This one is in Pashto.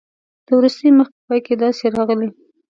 د وروستي مخ په پای کې داسې راغلي.